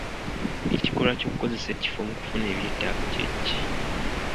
Ekikolwa ky'okukozesa ekifo mu kufuna eby'etaago kye ki?